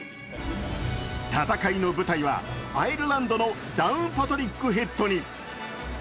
戦いの舞台はアイルランドのダウンパトリックヘッドに。